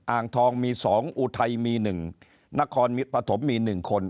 อ่างทองมี๒อุทัยมี๑นครปฐมมี๑คน